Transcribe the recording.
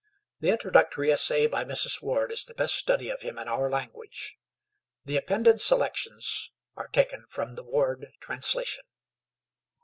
The introductory essay by Mrs. Ward is the best study of him in our language. The appended selections are taken from the Ward translation.